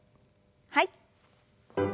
はい。